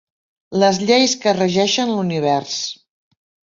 Les lleis que regeixen l'univers.